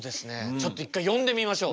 ちょっと一回呼んでみましょう。